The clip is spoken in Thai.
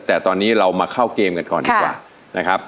แต่ตอนนี้เรามาเข้าเกมกันก่อนดีกว่านะครับ